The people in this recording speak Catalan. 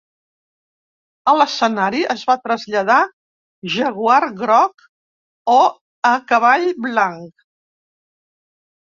A l'escenari es va traslladar jaguar groc o a cavall blanc.